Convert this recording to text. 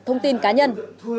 thông tin cá nhân